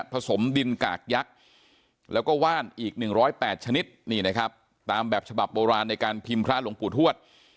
สมดินกากยักษ์แล้วก็ว่านอีก๑๐๘ชนิดนี่นะครับตามแบบฉบับโบราณในการพิมพ์พระหลวงปู่ทวด